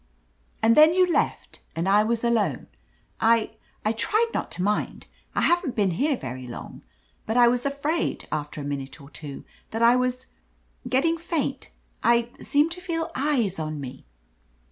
"And then you left, and I was alone. I — ^I tried not to mind. I haven't been here very long. But I was afraid, after a minute or two, that I was — ^getting faint. I — seemed to fed eyes on me."